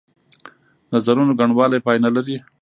نظرونو ګڼوالی پای نه لري.